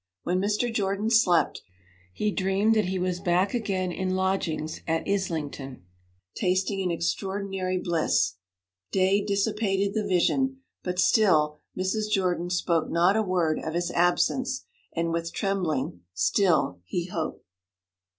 When Mr. Jordan slept, he dreamed that he was back again in lodgings at Islington, tasting an extraordinary bliss. Day dissipated the vision, but still Mrs. Jordan spoke not a word of his absence, and with trembling still he hoped.